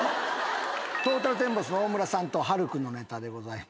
トータルテンボスの大村さんと晴空のネタでございました。